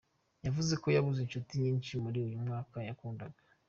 Yavuze ko yabuze inshuti nyinshi muri uyu mwaka yakundaga.